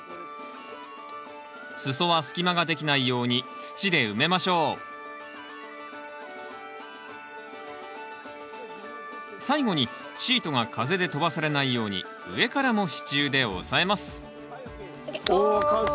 裾は隙間ができないように土で埋めましょう最後にシートが風で飛ばされないように上からも支柱で押さえますお完成！